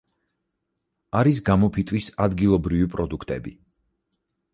არის გამოფიტვის ადგილობრივი პროდუქტები.